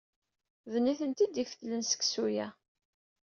D nutenti ay d-ifetlen seksu-a.